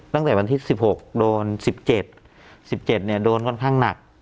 ตั้งแต่วันที่๑๖โดน๑๗๑๗โดนค่อนข้างหนัก